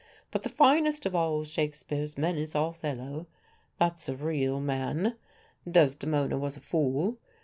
But the finest of all Shakespeare's men is Othello. That's a real man. Desdemona was a fool.